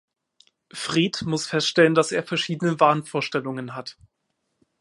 Fred muss feststellen, dass er verschiedene Wahnvorstellungen hat.